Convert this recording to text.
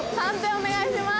お願いします。